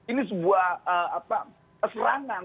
ini sebuah serangan